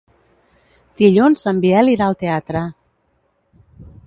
Dilluns en Biel irà al teatre.